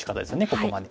ここまで。